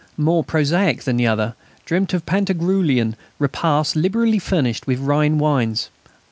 more prosaic than the other, dreamt of Pantagruelian repasts liberally furnished with Rhine wines.